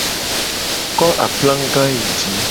Ko aplaga yi ji :